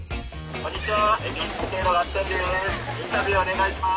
こんにちは。